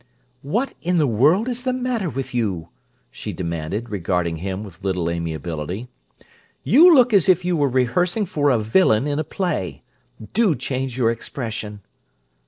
"What in the world is the matter with you?" she demanded, regarding him with little amiability. "You look as if you were rehearsing for a villain in a play. Do change your expression!"